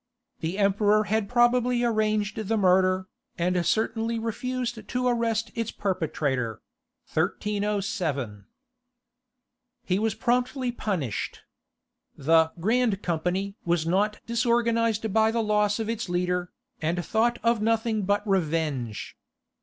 The Emperor had probably arranged the murder, and certainly refused to arrest its perpetrator . He was promptly punished. The "Grand Company" was not disorganized by the loss of its leader, and thought of nothing but revenge.